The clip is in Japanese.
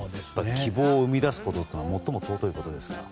希望を生み出すことは最も尊いことですから。